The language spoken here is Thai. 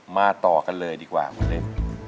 ต่อกันเลยดีกว่าคุณเล็ก